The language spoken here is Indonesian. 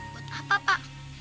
buat apa pak